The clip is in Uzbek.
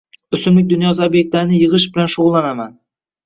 O‘simlik dunyosi ob’ektlarini yig‘ish bilan shug'ullanaman.